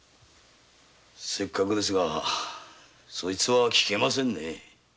せっかくですがそれはお受けできませんね。